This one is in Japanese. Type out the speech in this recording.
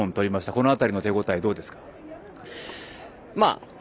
この辺りの手応えどうですか？